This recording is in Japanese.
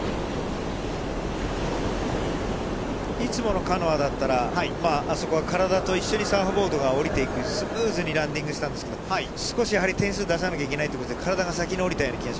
いつものカノアだったら、あそこは体と一緒にサーフボードが降りていく、スムーズにランディングしたんですけど、少しやはり点数出さなきゃいけないというところで体が先に降りた